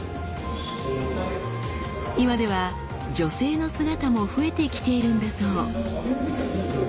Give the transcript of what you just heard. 今では女性の姿も増えてきているんだそう。